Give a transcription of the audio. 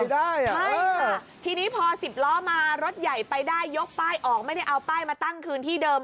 ใช่ค่ะทีนี้พอ๑๐ล้อมารถใหญ่ไปได้ยกป้ายออกไม่ได้เอาป้ายมาตั้งคืนที่เดิม